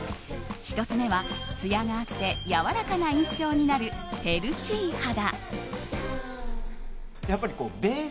１つ目は、つやがあってやわらかな印象になるヘルシー肌。